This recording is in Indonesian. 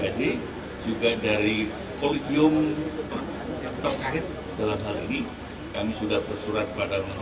kami juga dari kolegium terkait dalam hal ini kami sudah bersurat kepada masyarakat